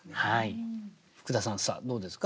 福田さんさあどうですか？